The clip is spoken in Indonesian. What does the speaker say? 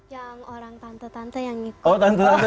yang orang tante tante yang ikut